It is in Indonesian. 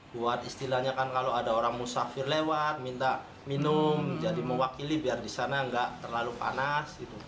buat istilahnya kan kalau ada orang musafir lewat minta minum jadi mewakili biar di sana nggak terlalu panas